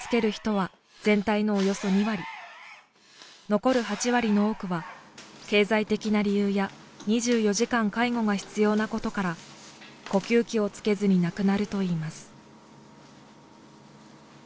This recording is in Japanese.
残る８割の多くは経済的な理由や２４時間介護が必要なことから呼吸器をつけずに亡くなるといいます。